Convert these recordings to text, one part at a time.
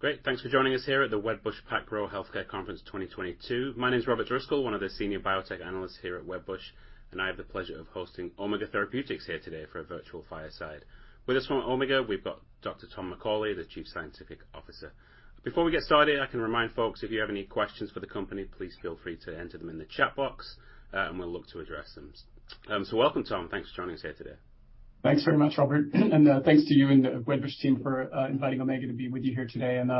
Great. Thanks for joining us here at the Wedbush PacGrow Healthcare Conference 2022. My name is Robert Driscoll, one of the senior biotech analysts here at Wedbush, and I have the pleasure of hosting Omega Therapeutics here today for a virtual fireside. With us from Omega, we've got Dr. Tom McCauley, the Chief Scientific Officer. Before we get started, I can remind folks, if you have any questions for the company, please feel free to enter them in the chat box, and we'll look to address them. So welcome, Tom. Thanks for joining us here today. Thanks very much, Robert, and thanks to you and the Wedbush team for inviting Omega to be with you here today, and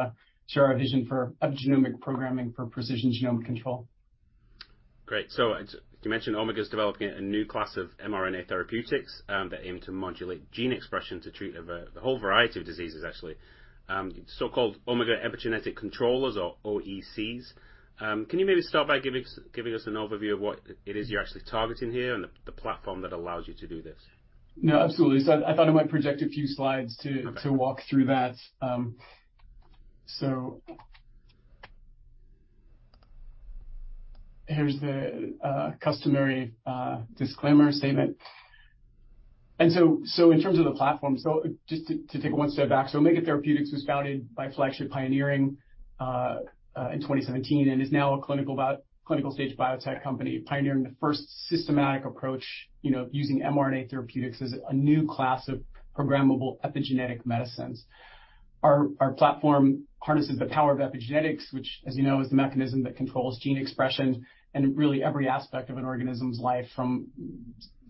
share our vision for epigenomic programming for precision genomic control. Great. So as you mentioned, Omega is developing a new class of mRNA therapeutics that aim to modulate gene expression to treat a whole variety of diseases, actually. So-called Omega Epigenomic Controllers or OECs. Can you maybe start by giving us an overview of what it is you're actually targeting here and the platform that allows you to do this? No, absolutely. So I thought I might project a few slides to. Okay. To walk through that. So here's the customary disclaimer statement. And so in terms of the platform, just to take it one step back, so Omega Therapeutics was founded by Flagship Pioneering in 2017, and is now a clinical stage biotech company, pioneering the first systematic approach, you know, using mRNA therapeutics as a new class of programmable epigenetic medicines. Our platform harnesses the power of epigenetics, which, as you know, is the mechanism that controls gene expression and really every aspect of an organism's life, from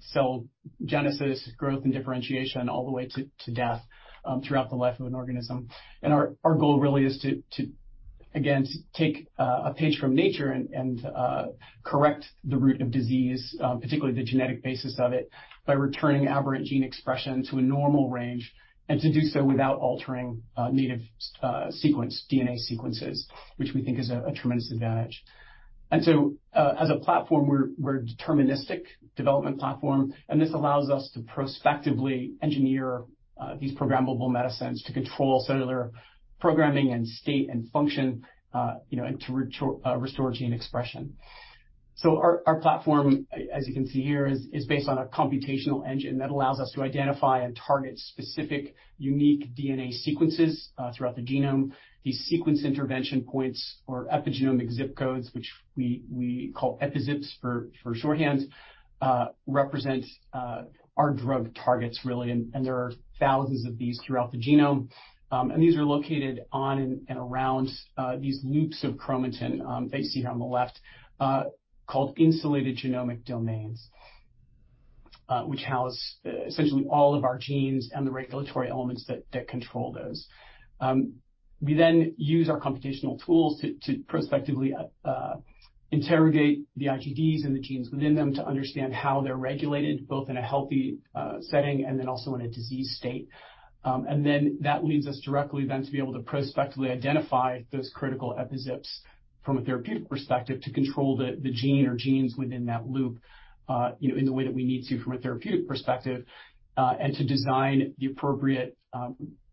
cell genesis, growth, and differentiation, all the way to death, throughout the life of an organism. Our goal really is to, again, to take a page from nature and correct the root of disease, particularly the genetic basis of it, by returning aberrant gene expression to a normal range, and to do so without altering native sequence DNA sequences, which we think is a tremendous advantage. So, as a platform, we're a deterministic development platform, and this allows us to prospectively engineer these programmable medicines to control cellular programming and state and function, you know, and to restore gene expression. Our platform, as you can see here, is based on a computational engine that allows us to identify and target specific, unique DNA sequences throughout the genome. These sequence intervention points or epigenomic zip codes, which we call EpiZips for shorthand, represent our drug targets, really, and there are thousands of these throughout the genome. And these are located on and around these loops of chromatin that you see here on the left, called insulated genomic domains, which house essentially all of our genes and the regulatory elements that control those. We then use our computational tools to prospectively interrogate the IGDs and the genes within them to understand how they're regulated, both in a healthy setting and then also in a disease state. And then that leads us directly then to be able to prospectively identify those critical EpiZips from a therapeutic perspective, to control the gene or genes within that loop, you know, in the way that we need to from a therapeutic perspective, and to design the appropriate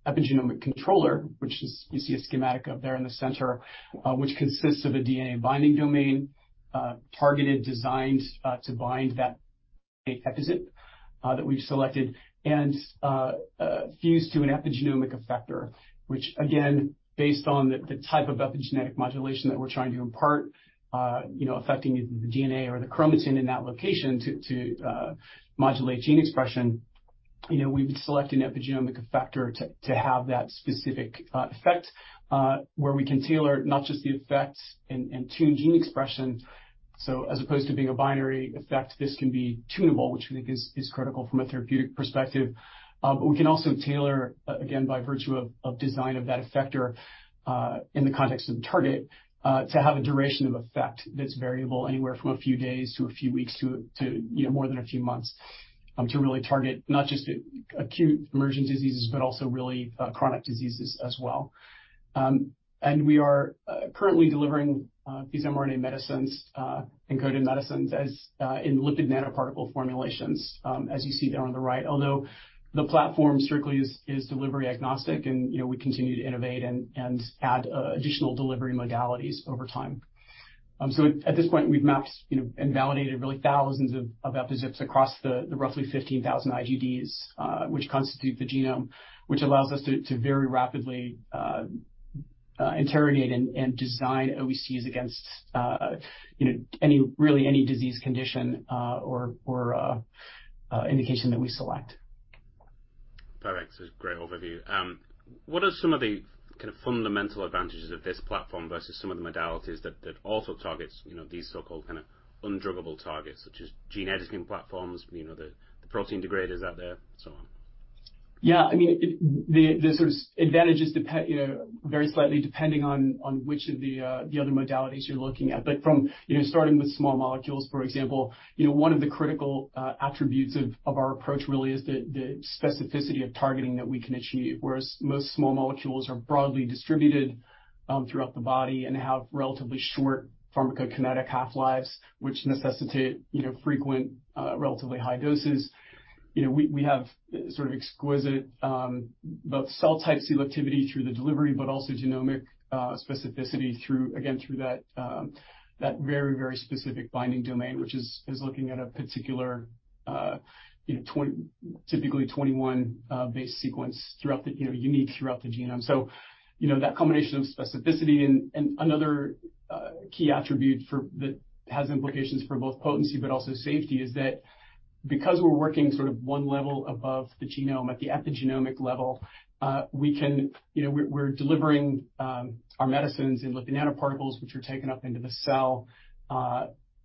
epigenomic controller, which is, you see a schematic of there in the center, which consists of a DNA binding domain, targeted, designed, to bind that EpiZip that we've selected, and fused to an epigenomic effector, which again, based on the type of epigenetic modulation that we're trying to impart, you know, affecting the DNA or the chromatin in that location to modulate gene expression, you know, we would select an epigenomic effector to have that specific effect, where we can tailor not just the effect and tune gene expression. So as opposed to being a binary effect, this can be tunable, which we think is critical from a therapeutic perspective. But we can also tailor, again, by virtue of design of that effector, in the context of the target, to have a duration of effect that's variable anywhere from a few days to a few weeks to you know, more than a few months, to really target not just acute emergent diseases, but also really chronic diseases as well. And we are currently delivering these mRNA medicines, encoded medicines as in lipid nanoparticle formulations, as you see there on the right, although the platform strictly is delivery agnostic, and you know, we continue to innovate and add additional delivery modalities over time. So at this point, we've mapped, you know, and validated really thousands of EpiZips across the roughly 15,000 IGDs, which constitute the genome, which allows us to very rapidly interrogate and design OECs against, you know, any really any disease condition, or indication that we select. Perfect. So great overview. What are some of the kind of fundamental advantages of this platform versus some of the modalities that also targets, you know, these so-called kind of undruggable targets, such as gene editing platforms, you know, the protein degraders out there, and so on? Yeah, I mean, the sort of advantages depend, you know, very slightly, depending on which of the other modalities you're looking at. But from, you know, starting with small molecules, for example, you know, one of the critical attributes of our approach really is the specificity of targeting that we can achieve, whereas most small molecules are broadly distributed throughout the body and have relatively short pharmacokinetic half-lives, which necessitate, you know, frequent relatively high doses. You know, we have sort of exquisite both cell type selectivity through the delivery, but also genomic specificity through, again, through that very, very specific binding domain, which is looking at a particular, you know, typically 21 base sequence throughout the, you know, unique throughout the genome. So, you know, that combination of specificity and another key attribute that has implications for both potency but also safety, is that because we're working sort of one level above the genome, at the epigenomic level, we can, you know, we're delivering our medicines in lipid nanoparticles, which are taken up into the cell.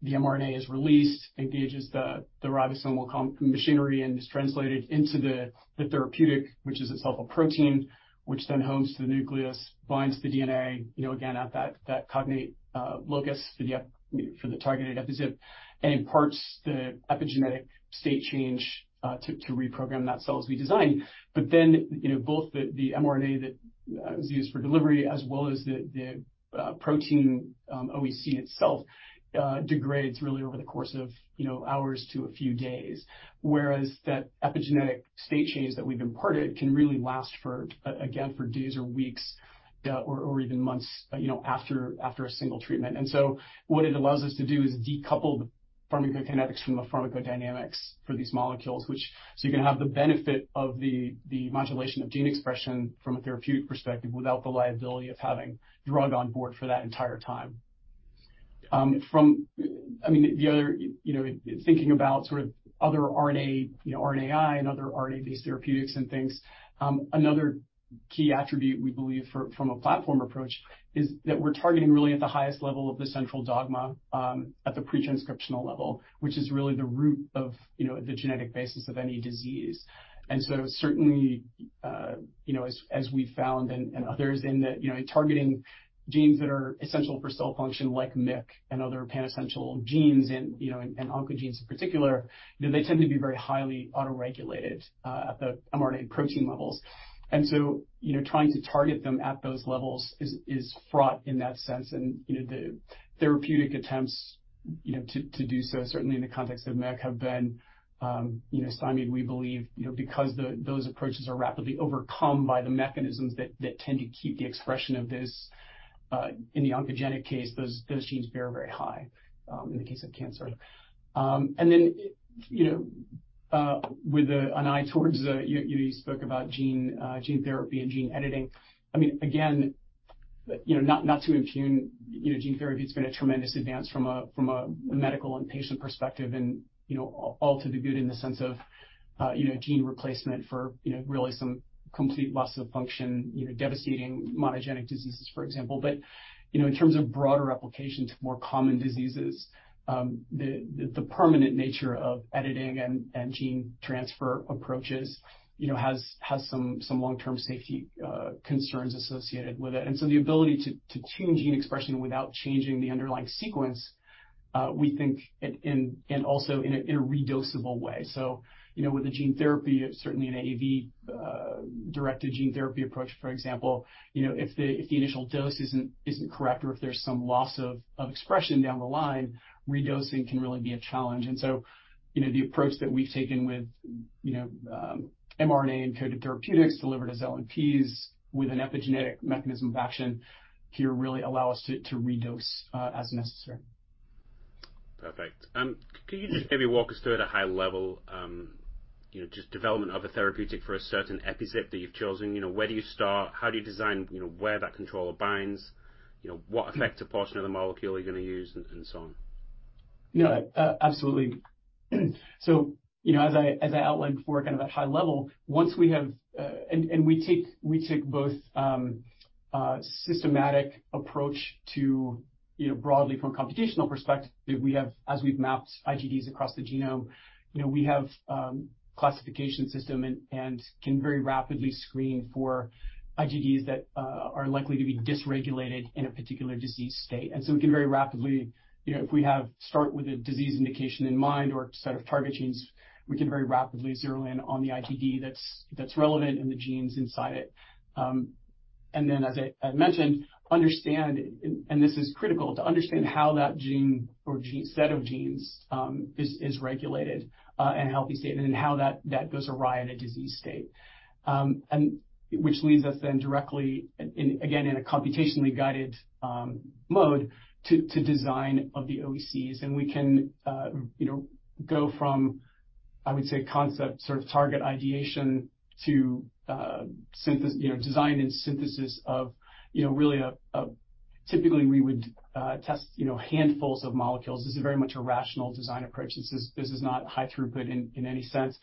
The mRNA is released, engages the ribosomal machinery, and is translated into the therapeutic, which is itself a protein, which then homes to the nucleus, binds the DNA, you know, again, at that cognate locus for the targeted EpiZip and imparts the epigenetic state change to reprogram that cell as we designed. But then, you know, both the mRNA that is used for delivery as well as the protein OEC itself degrades really over the course of, you know, hours to a few days. Whereas that epigenetic state change that we've imparted can really last for again, for days or weeks or even months, you know, after a single treatment. And so what it allows us to do is decouple the pharmacokinetics from the pharmacodynamics for these molecules, which so you can have the benefit of the modulation of gene expression from a therapeutic perspective, without the liability of having drug on board for that entire time. I mean, thinking about sort of other RNA, you know, RNAi and other RNA-based therapeutics and things, another key attribute we believe from a platform approach is that we're targeting really at the highest level of the central dogma, at the pre-transcriptional level, which is really the root of, you know, the genetic basis of any disease. And so certainly, you know, as we've found and others, in that, you know, targeting genes that are essential for cell function, like MYC and other pan-essential genes in, you know, and oncogenes in particular, you know, they tend to be very highly auto-regulated, at the mRNA protein levels. And so, you know, trying to target them at those levels is fraught in that sense. You know, the therapeutic attempts, you know, to do so, certainly in the context of MYC, have been, you know, stymied, we believe, you know, because those approaches are rapidly overcome by the mechanisms that tend to keep the expression of this, in the oncogenic case, those genes very, very high, in the case of cancer. And then, you know, with an eye towards the. You spoke about gene therapy and gene editing. I mean, again, you know, not to impugn, you know, gene therapy, it's been a tremendous advance from a medical and patient perspective, and, you know, all to the good in the sense of, you know, gene replacement for, you know, really some complete loss of function, you know, devastating monogenic diseases, for example. But, you know, in terms of broader application to more common diseases, the permanent nature of editing and gene transfer approaches, you know, has some long-term safety concerns associated with it. And so the ability to tune gene expression without changing the underlying sequence, we think, and also in a redosable way. So, you know, with the gene therapy, certainly an AAV directed gene therapy approach, for example, you know, if the initial dose isn't correct or if there's some loss of expression down the line, redosing can really be a challenge. And so, you know, the approach that we've taken with mRNA-encoded therapeutics delivered as LNPs with an epigenetic mechanism of action here really allow us to redose as necessary. Perfect. Could you just maybe walk us through at a high level, you know, just development of a therapeutic for a certain EpiZip that you've chosen? You know, where do you start? How do you design, you know, where that controller binds? You know, what effective portion of the molecule you're going to use, and, and so on? Yeah. Absolutely. So, you know, as I, as I outlined before, kind of at high level, once we have. And we take both systematic approach to, you know, broadly from a computational perspective, we have, as we've mapped IGDs across the genome, you know, we have classification system and can very rapidly screen for IGDs that are likely to be dysregulated in a particular disease state. And so we can very rapidly, you know, if we start with a disease indication in mind or a set of target genes, we can very rapidly zero in on the IGD that's relevant and the genes inside it. And then, as I mentioned, understand, and this is critical, to understand how that gene or gene-set of genes is regulated in a healthy state, and then how that goes awry in a disease state. And which leads us then directly, and again, in a computationally guided mode, to design of the OECs. And we can, you know, go from, I would say, concept, sort of target ideation to synthesis, you know, design and synthesis of, you know, really, typically, we would test, you know, handfuls of molecules. This is very much a rational design approach. This is not high throughput in any sense.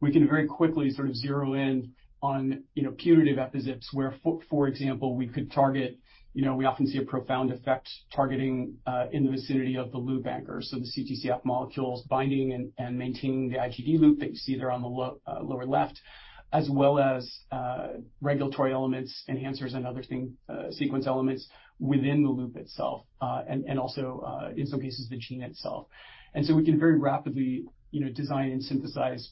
We can very quickly sort of zero in on, you know, EpiZips, where, for example, we could target, you know, we often see a profound effect targeting in the vicinity of the loop anchors, so the CTCF molecules binding and maintaining the IGD loop that you see there on the lower left, as well as regulatory elements, enhancers and other things, sequence elements within the loop itself, and also in some cases, the gene itself. So we can very rapidly, you know, design and synthesize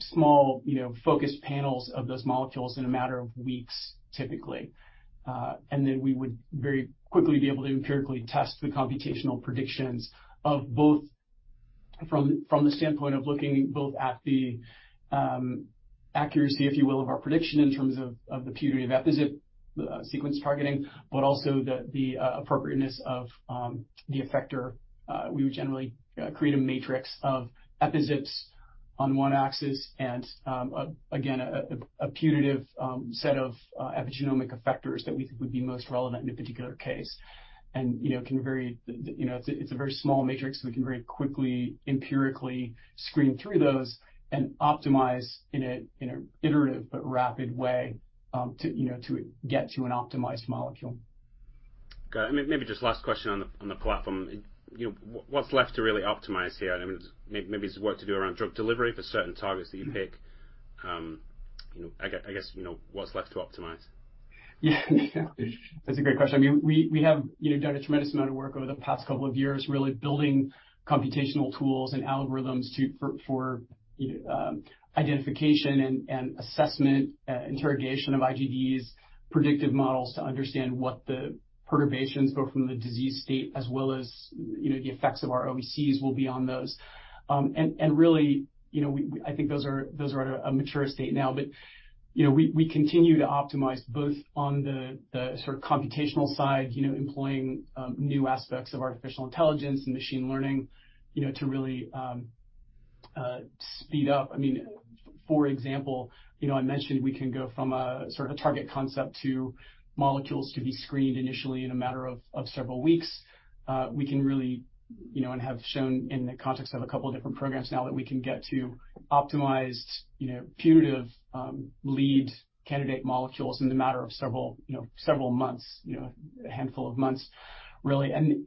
small, you know, focused panels of those molecules in a matter of weeks, typically. And then we would very quickly be able to empirically test the computational predictions of both from the standpoint of looking both at the accuracy, if you will, of our prediction in terms of the purity of EpiZip sequence targeting, but also the appropriateness of the effector. We would generally create a matrix of EpiZips on one axis and again a putative set of epigenomic effectors that we think would be most relevant in a particular case. And you know it's a very small matrix, so we can very quickly empirically screen through those and optimize in an iterative but rapid way to you know to get to an optimized molecule. Got it. And maybe just last question on the platform. You know, what's left to really optimize here? I mean, maybe there's work to do around drug delivery for certain targets that you pick. Mm-hmm. You know, I guess, you know, what's left to optimize? Yeah, that's a great question. I mean, we have, you know, done a tremendous amount of work over the past couple of years, really building computational tools and algorithms to, for, identification and assessment, interrogation of IGDs, predictive models to understand what the perturbations both from the disease state, as well as, you know, the effects of our OECs will be on those. And really, you know, we, I think those are, those are at a mature state now. But, you know, we continue to optimize both on the, the sort of computational side, you know, employing, new aspects of artificial intelligence and machine learning, you know, to really, speed up. I mean, for example, you know, I mentioned we can go from a sort of a target concept to molecules to be screened initially in a matter of several weeks. We can really, you know, and have shown in the context of a couple different programs now, that we can get to optimized, you know, potent lead candidate molecules in the matter of several, you know, several months, you know, a handful of months, really. And,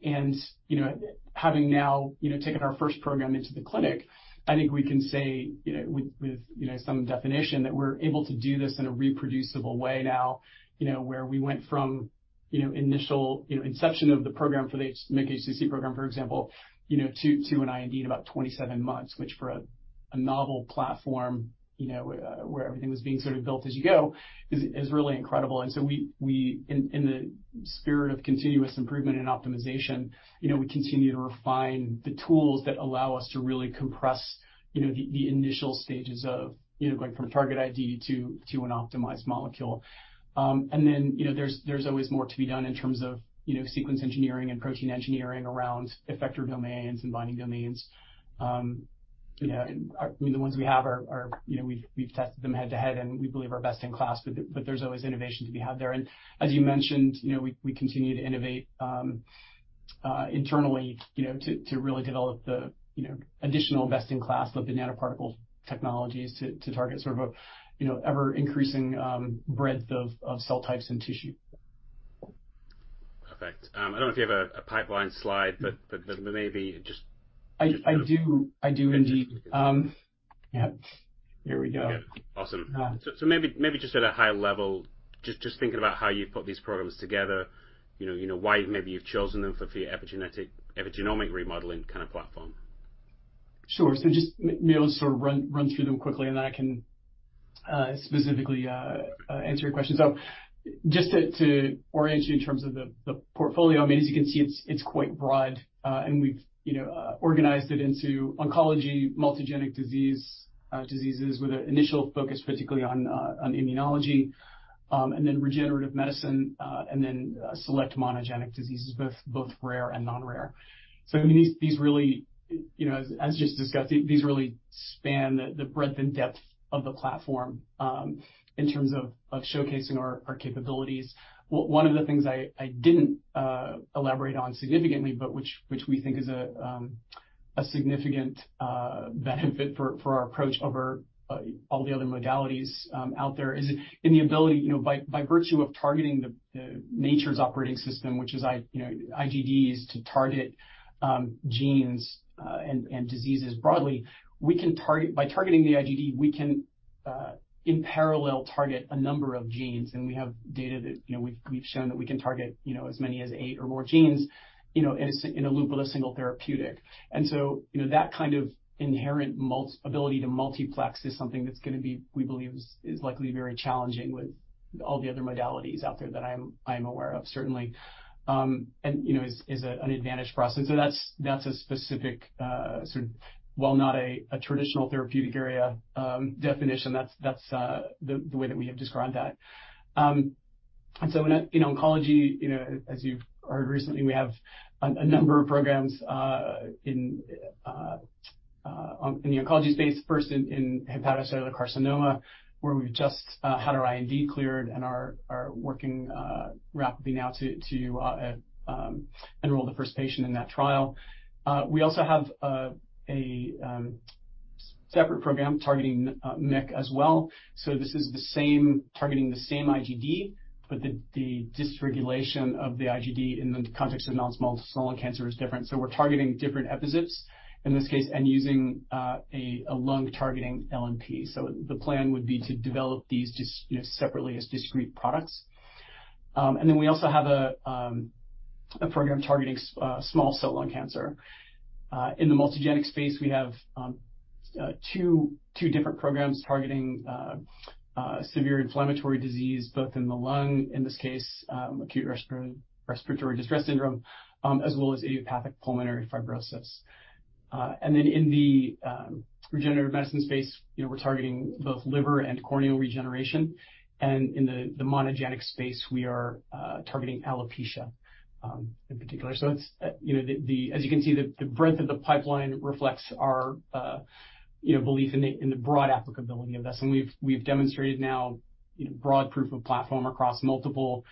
you know, having now, you know, taken our first program into the clinic, I think we can say, you know, with, with, you know, some definition, that we're able to do this in a reproducible way now, you know, where we went from, you know, initial, you know, inception of the program for the MYC HCC program, for example, you know, to, to an IND in about 27 months, which for a, a novel platform, you know, where everything was being sort of built as you go, is, is really incredible. And so we... In the spirit of continuous improvement and optimization, you know, we continue to refine the tools that allow us to really compress, you know, the, the initial stages of, you know, going from target ID to, to an optimized molecule. And then, you know, there's always more to be done in terms of, you know, sequence engineering and protein engineering around effector domains and binding domains. You know, and, I mean, the ones we have are, you know, we've tested them head-to-head, and we believe are best in class, but there's always innovation to be had there. And as you mentioned, you know, we continue to innovate, internally, you know, to really develop the, you know, additional best-in-class lipid nanoparticle technologies to target sort of a, you know, ever-increasing breadth of cell types and tissue. Perfect. I don't know if you have a pipeline slide, but maybe just. I do. I do indeed. Okay. Yeah. Here we go. Yeah. Awesome. Um. So, maybe just at a high level, just thinking about how you've put these programs together, you know, why maybe you've chosen them for the epigenetic-- epigenomic remodeling kind of platform? Sure. So just may I also sort of run through them quickly, and then I can specifically answer your question. So just to orient you in terms of the portfolio, I mean, as you can see, it's quite broad, and we've, you know, organized it into oncology, multigenic disease, diseases with an initial focus particularly on immunology, and then regenerative medicine, and then select monogenic diseases, both rare and non-rare. So I mean, these really, you know, as just discussed, these really span the breadth and depth of the platform, in terms of showcasing our capabilities. One of the things I didn't elaborate on significantly, but which we think is a significant benefit for our approach over all the other modalities out there, is in the ability, you know, by virtue of targeting the nature's operating system, which is, you know, IGDs, to target genes and diseases broadly. We can target. By targeting the IGD, we can in parallel target a number of genes, and we have data that, you know, we've shown that we can target, you know, as many as eight or more genes, you know, in a loop with a single therapeutic. You know, that kind of inherent ability to multiplex is something that's gonna be, we believe, is likely very challenging with all the other modalities out there that I'm aware of, certainly. And you know, is an advantage for us. And so that's a specific sort of, while not a traditional therapeutic area definition, that's the way that we have described that. And so in oncology, you know, as you've heard recently, we have a number of programs in the oncology space, first in hepatocellular carcinoma, where we've just had our IND cleared and are working rapidly now to enroll the first patient in that trial. We also have a separate program targeting MYC as well. So this is the same, targeting the same IGD, but the dysregulation of the IGD in the context of non-small cell lung cancer is different. So we're targeting different EpiZips, in this case, and using a lung-targeting LNP. So the plan would be to develop these, you know, separately as discrete products. And then we also have a program targeting small cell lung cancer. In the multigenic space, we have two different programs targeting severe inflammatory disease, both in the lung, in this case, acute respiratory distress syndrome, as well as idiopathic pulmonary fibrosis. And then in the regenerative medicine space, you know, we're targeting both liver and corneal regeneration, and in the monogenic space, we are targeting alopecia in particular. So it's you know, as you can see, the breadth of the pipeline reflects our you know, belief in the broad applicability of this. And we've demonstrated now, you know, broad proof of platform across multiple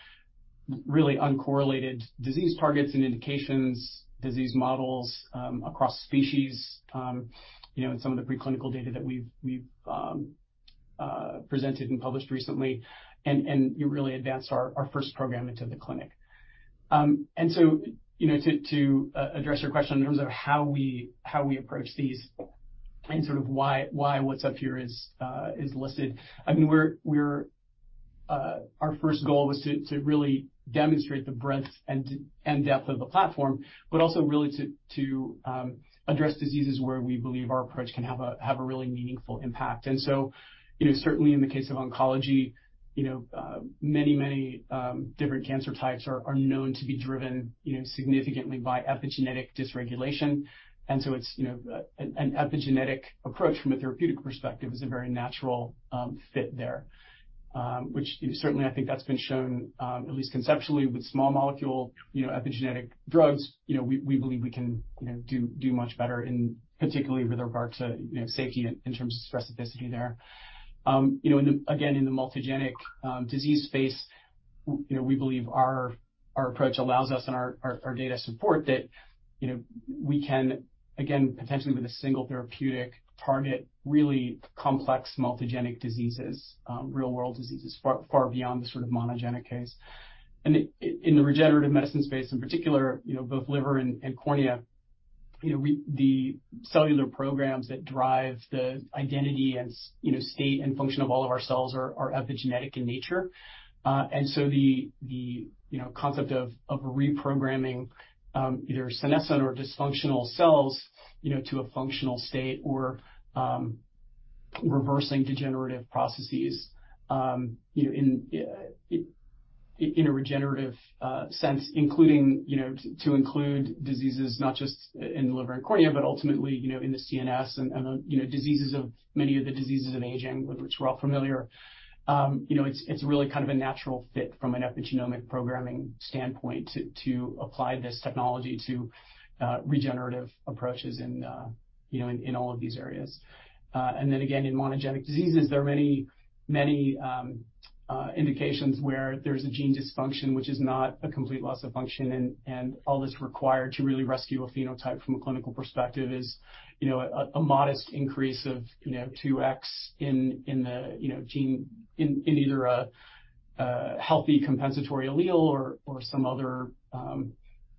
really uncorrelated disease targets and indications, disease models, across species, you know, in some of the preclinical data that we've presented and published recently, and we really advanced our first program into the clinic. And so, you know, to address your question in terms of how we approach these and sort of why what's up here is listed. I mean, we're our first goal was to really demonstrate the breadth and depth of the platform, but also really to address diseases where we believe our approach can have a really meaningful impact. And so, you know, certainly in the case of oncology, you know, many different cancer types are known to be driven, you know, significantly by epigenetic dysregulation. And so it's, you know, an epigenetic approach from a therapeutic perspective is a very natural fit there. Which, you know, certainly I think that's been shown, at least conceptually, with small molecule, you know, epigenetic drugs. You know, we believe we can, you know, do much better, in particularly with regard to, you know, safety in terms of specificity there. You know, in the, again, in the multigenic disease space, you know, we believe our data support that, you know, we can, again, potentially with a single therapeutic target, really complex multigenic diseases, real-world diseases, far, far beyond the sort of monogenic case. And in the regenerative medicine space, in particular, you know, both liver and cornea, you know, the cellular programs that drive the identity and, you know, state and function of all of our cells are epigenetic in nature. And so the concept of reprogramming either senescent or dysfunctional cells, you know, to a functional state or reversing degenerative processes, you know, in a regenerative sense, including, you know, to include diseases not just in the liver and cornea, but ultimately, you know, in the CNS and diseases of many of the diseases of aging, with which we're all familiar. You know, it's really kind of a natural fit from an epigenomic programming standpoint to apply this technology to regenerative approaches in, you know, in all of these areas. And then again, in monogenic diseases, there are many, many, indications where there's a gene dysfunction, which is not a complete loss of function, and, and all that's required to really rescue a phenotype from a clinical perspective is, you know, a, a modest increase of, you know, 2x in, in the, you know, gene, in, in either a, a healthy compensatory allele or, or some other,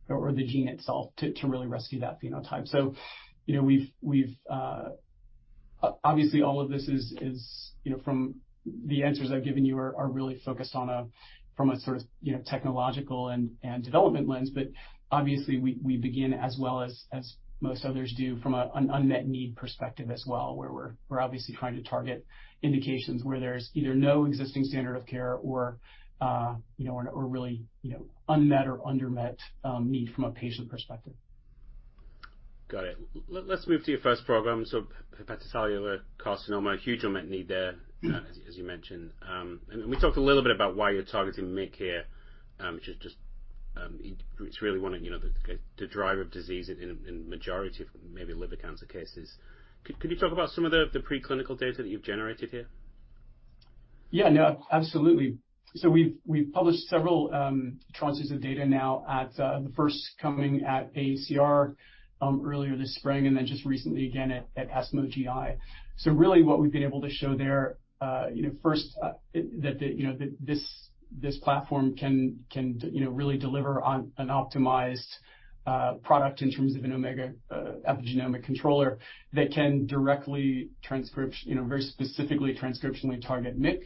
or the gene itself, to, to really rescue that phenotype. So, you know, we've, we've, obviously, all of this is, is, you know, from the answers I've given you are, are really focused on from a sort of, you know, technological and, and development lens. But obviously, we begin, as well as most others do, from an unmet need perspective as well, where we're obviously trying to target indications where there's either no existing standard of care or, you know, or really, you know, unmet or undermet need from a patient perspective. Got it. Let's move to your first program. So hepatocellular carcinoma, a huge unmet need there. Mm-hmm. As you mentioned. And we talked a little bit about why you're targeting MYC here, which is just, it's really one of, you know, the driver of disease in a majority of maybe liver cancer cases. Could you talk about some of the preclinical data that you've generated here? Yeah, no, absolutely. So we've published several tranches of data now at the first coming at AACR earlier this spring, and then just recently again at ESMO-GI. So really, what we've been able to show there, you know, first, that the, you know, the, this, this platform can deliver on an optimized product in terms of an Omega epigenomic controller that can directly transcriptionally target MYC.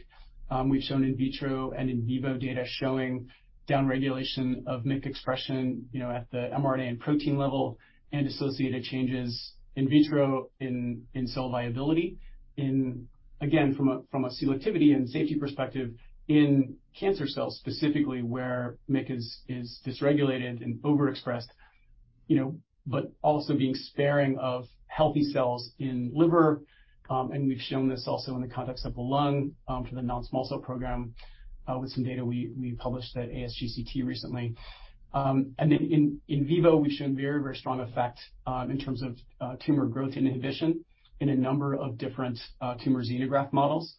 We've shown in vitro and in vivo data showing downregulation of MYC expression, you know, at the mRNA and protein level, and associated changes in vitro, in cell viability. Again, from a selectivity and safety perspective in cancer cells, specifically, where MYC is dysregulated and overexpressed, you know, but also being sparing of healthy cells in liver. And we've shown this also in the context of the lung, for the non-small cell program, with some data we published at ASGCT recently. And then in vivo, we've shown very, very strong effect, in terms of tumor growth inhibition in a number of different tumor xenograft models.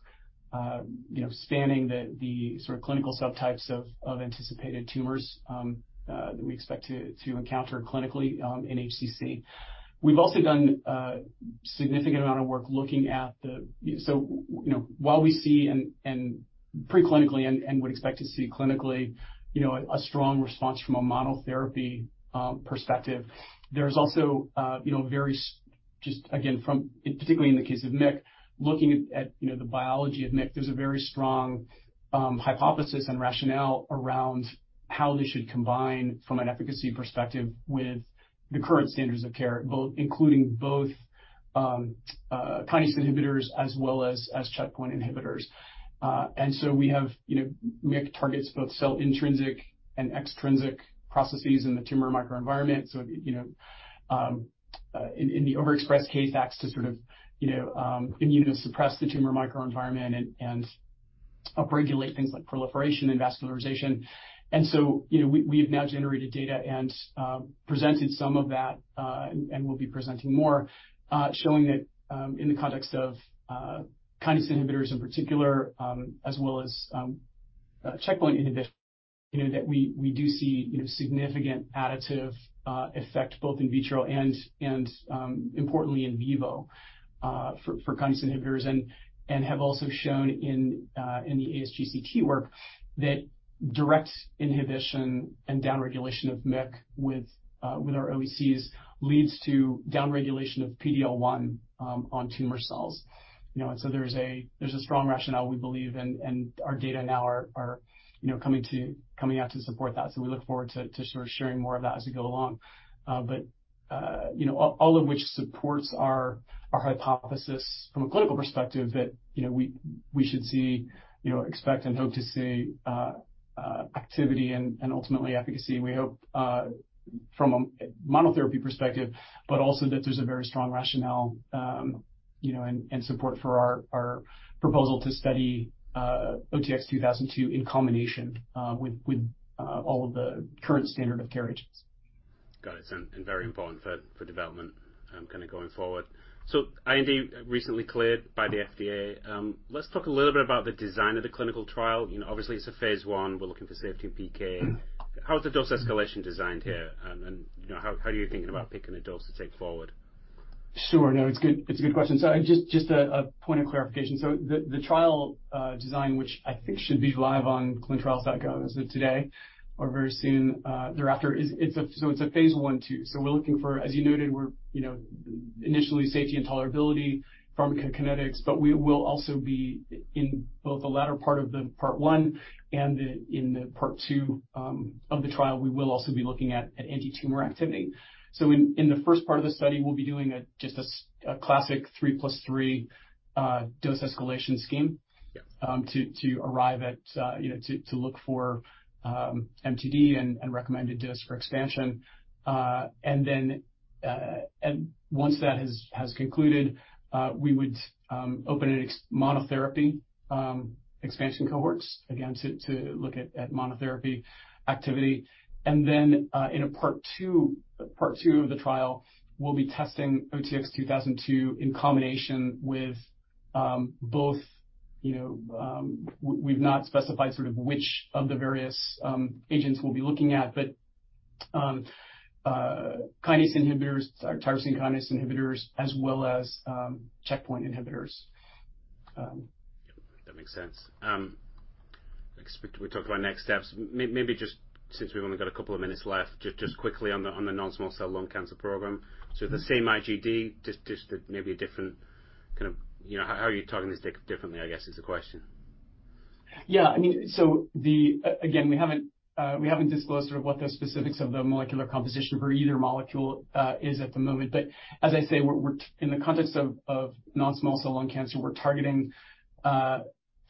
You know, spanning the sort of clinical subtypes of anticipated tumors, that we expect to encounter clinically, in HCC. We've also done a significant amount of work looking at the. So, you know, while we see and preclinically and would expect to see clinically, you know, a strong response from a monotherapy perspective, there's also, you know, various just again, from, particularly in the case of MYC, looking at, you know, the biology of MYC, there's a very strong hypothesis and rationale around how this should combine from an efficacy perspective with the current standards of care, both kinase inhibitors as well as checkpoint inhibitors. And so we have, you know, MYC targets both cell intrinsic and extrinsic processes in the tumor microenvironment. So, you know, in the overexpressed case, acts to sort of, you know, immunosuppress the tumor microenvironment and upregulate things like proliferation and vascularization. And so, you know, we have now generated data and presented some of that, and we'll be presenting more, showing that in the context of kinase inhibitors in particular, as well as checkpoint inhibitors, you know, that we do see, you know, significant additive effect, both in vitro and importantly, in vivo, for kinase inhibitors. And have also shown in the ASGCT work that direct inhibition and downregulation of MYC with our OECs leads to downregulation of PD-L1 on tumor cells. You know, and so there's a strong rationale we believe, and our data now are coming out to support that. So we look forward to sort of sharing more of that as we go along. But you know, all of which supports our hypothesis from a clinical perspective, that you know, we should see, you know, expect and hope to see activity and ultimately efficacy. We hope from a monotherapy perspective, but also that there's a very strong rationale, you know, and support for our proposal to study OTX-2002 in combination with all of the current standard of care agents. Got it. And very important for development, kind of going forward. So IND recently cleared by the FDA. Let's talk a little bit about the design of the clinical trial. You know, obviously, it's a phase I. We're looking for safety and PK. Mm-hmm. How is the dose escalation designed here? And then, you know, how are you thinking about picking a dose to take forward? Sure. No, it's a good question. So just a point of clarification. So the trial design, which I think should be live on clinicaltrials.gov as of today or very soon thereafter, is a phase I/II. So we're looking for, as you noted, we're, you know, initially, safety and tolerability, pharmacokinetics, but we will also be in both the latter part of part one and in part two of the trial, we will also be looking at antitumor activity. So in the first part of the study, we'll be doing just a classic 3+3 dose escalation scheme. Yep. To arrive at, you know, to look for MTD and recommended dose for expansion. And then, once that has concluded, we would open a monotherapy expansion cohorts, again, to look at monotherapy activity. And then, in part two of the trial, we'll be testing OTX-2002 in combination with both, you know. We've not specified sort of which of the various agents we'll be looking at, but kinase inhibitors or tyrosine kinase inhibitors, as well as checkpoint inhibitors. Yep, that makes sense. Except we talked about next steps. Maybe just since we've only got a couple of minutes left, just quickly on the non-small cell lung cancer program. Mm-hmm. So the same IGD, just maybe a different kind of, you know How are you targeting this differently, I guess, is the question? Yeah, I mean, so again, we haven't disclosed sort of what the specifics of the molecular composition for either molecule is at the moment. But as I say, we're in the context of non-small cell lung cancer, we're targeting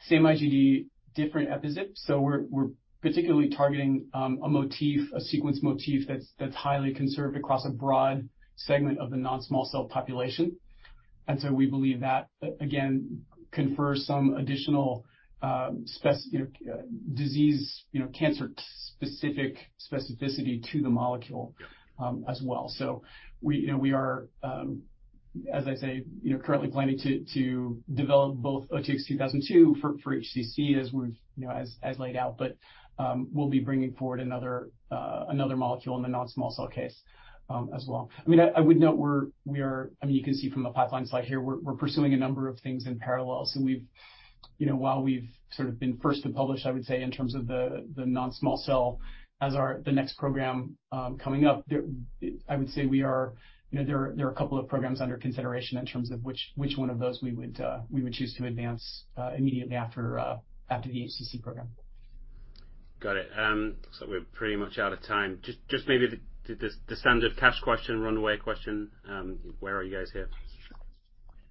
same IGD, different epitopes. So we're particularly targeting a motif, a sequence motif that's highly conserved across a broad segment of the non-small cell population. And so we believe that, again, confers some additional disease, you know, cancer-specific specificity to the molecule. Yep As well. So we, you know, we are, as I say, you know, currently planning to develop both OTX-2002 for HCC, as we've, you know, as laid out. But we'll be bringing forward another molecule in the non-small cell case, as well. I mean, I would note we are. I mean, you can see from the pipeline slide here, we're pursuing a number of things in parallel. So we've, you know, while we've sort of been first to publish, I would say, in terms of the non-small cell as our next program coming up, I would say we are, you know, there are a couple of programs under consideration in terms of which one of those we would choose to advance immediately after the HCC program. Got it. Looks like we're pretty much out of time. Just maybe the standard cash question, runway question, where are you guys here?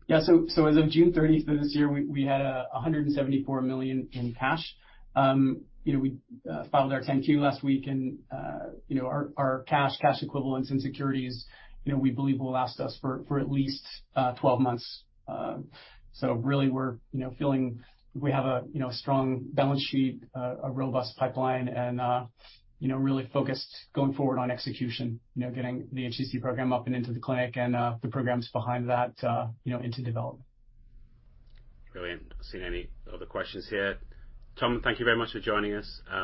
Yeah. So as of June thirtieth of this year, we had $174 million in cash. You know, we filed our 10-Q last week, and you know, our cash equivalents and securities. You know, we believe will last us for at least 12 months. So really, we're you know, feeling we have a you know, strong balance sheet, a robust pipeline, and you know, really focused going forward on execution, you know, getting the HCC program up and into the clinic, and the programs behind that you know, into development. Brilliant. Not seeing any other questions here. Tom, thank you very much for joining us.